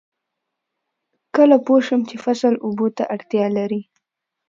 کله پوه شم چې فصل اوبو ته اړتیا لري؟